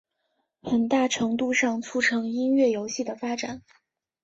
很大程度上促成音乐游戏的发展。